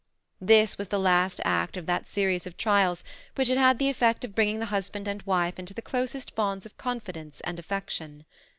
This was the last act of that series of trials which had had the effect of bringing the husband and wife into the closest bonds of confidence and affection.